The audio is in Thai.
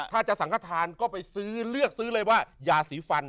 ถ้าจะสังขทานก็ไปซื้อเลือกซื้อเลยว่ายาสีฟัน